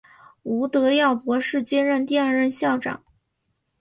吴德耀博士接任第二任校长。